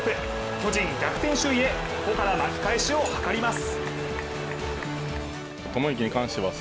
巨人、逆転首位へここから巻き返しを図ります。